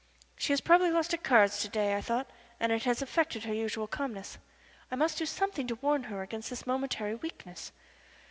She has probably lost at cards to day, I thought, and it has affected her usual calmness. I must do something to warn her against this momentary weakness.